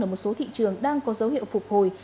ở một số thị trường đang có dấu hiệu phục hồi